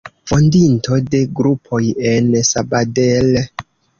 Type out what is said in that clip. Fondinto de grupoj en Sabadell.